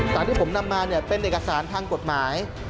สารที่ผมนำมาเนี่ยเป็นเอกสารทางกฎหมาย